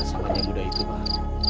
samanya muda itu pak